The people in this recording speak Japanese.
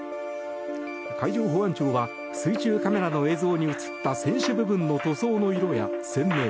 海上保安庁は水中カメラの映像に映った船首部分の塗装の色や船名